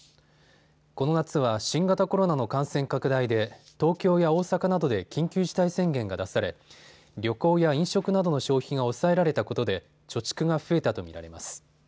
この夏は新型コロナの感染拡大で東京や大阪などで緊急事態宣言が出され旅行や飲食などの消費が抑えられたことで貯蓄が増えたと見られます。